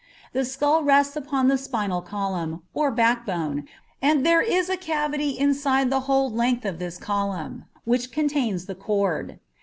The skull rests upon the spinal column, or backbone, and there is a cavity inside the whole length of this column, which contains the cord.